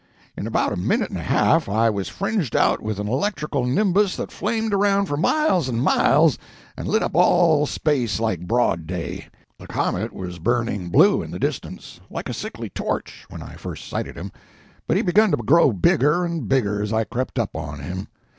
In about a minute and a half I was fringed out with an electrical nimbus that flamed around for miles and miles and lit up all space like broad day. The comet was burning blue in the distance, like a sickly torch, when I first sighted him, but he begun to grow bigger and bigger as I crept up on him.